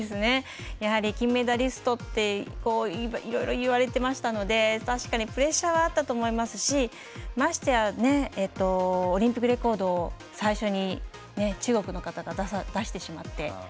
やはり金メダリストっていろいろ言われてましたので確かにプレッシャーはあったと思いますしましてやオリンピックレコードを最初に中国の方が出してしまって。